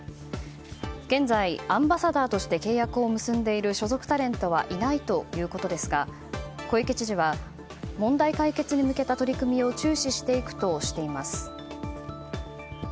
現在、アンバサダーとして契約を結んでいる所属タレントはいないということですが小池知事は問題解決に向けた取り組みを注視していくとしています。